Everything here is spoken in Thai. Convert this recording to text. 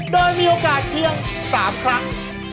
โดยมีโอกาสเพียง๓ครั้ง